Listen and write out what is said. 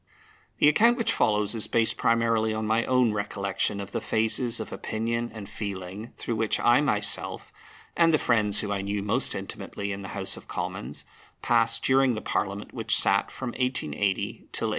The account which follows is based primarily on my own recollection of the phases of opinion and feeling through which I myself, and the friends whom I knew most intimately in the House of Commons, passed during the Parliament which sat from 1880 till 1885.